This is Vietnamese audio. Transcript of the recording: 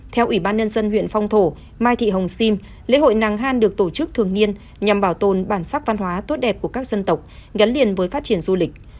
theo ủy ban nhân dân huyện phong thổ mai thị hồng sim lễ hội nàng han được tổ chức thường niên nhằm bảo tồn bản sắc văn hóa tốt đẹp của các dân tộc gắn liền với phát triển du lịch